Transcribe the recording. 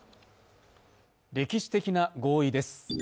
歴史的な合意です。